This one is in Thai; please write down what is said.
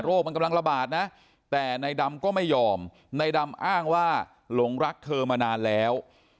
มันกำลังระบาดนะแต่นายดำก็ไม่ยอมในดำอ้างว่าหลงรักเธอมานานแล้ว